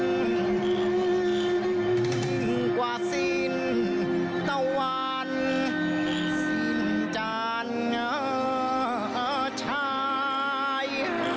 ยิงกว่าสินตะวันสินจานชาย